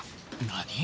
何？